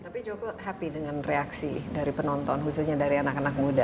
tapi joko happy dengan reaksi dari penonton khususnya dari anak anak muda